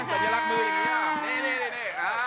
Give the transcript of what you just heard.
สัญลักษณ์มือ